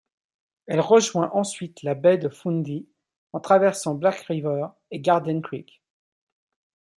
Elle rejoint ensuite la baie de Fundy, en traversant Black River et Gardner Creek.